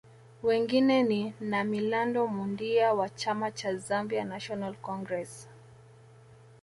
Wengine ni Namilando Mundia wa chama cha Zambia National Congress